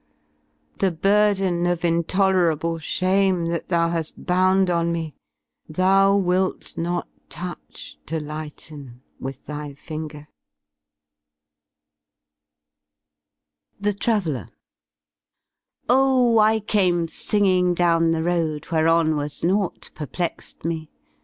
The burden of intolerable shame That thou haSi bound on me, thou wilt not touch To lighten with thy finger — THE TRAVELLER Oh, / came singing down the road Whereon was nought perplext me.